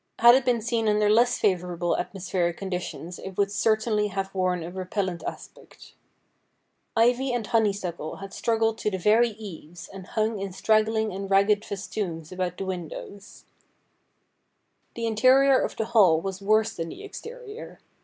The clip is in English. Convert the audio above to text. Had it been seen under less favourable atmospheric conditions it would certainly have worn a repellent aspect. Ivy and honeysuckle had struggled to the very'eaves, and hung in straggling and ragged festoons about the windows. THE BLOOD DRIPS 207 The interior of the Hall was worse than the exterior.